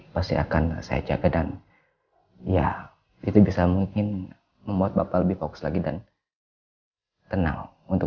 pasti akan saya jaga dan ya itu bisa mungkin membuat bapak lebih fokus lagi dan tenang untuk